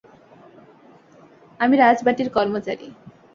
আমি রাজবাটির কর্মচারী।